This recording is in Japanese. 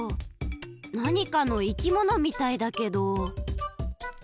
なにかのいきものみたいだけど。